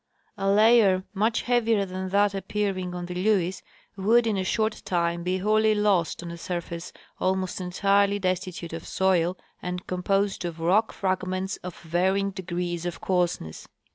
A layer much heavier than that ap pearing on the LeAves would in a short time be wholly lost on a surface almost entirely destitute of soil and composed of rock fragments of varying degrees of coarseness.